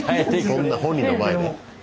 そんな本人の前で。